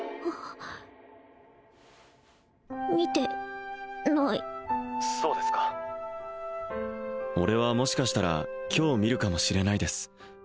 見てないそうですか俺はもしかしたら今日見るかもしれないです